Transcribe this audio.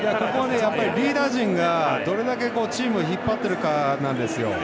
リーダー陣がどれだけチームを引っ張ってるかなんですよ。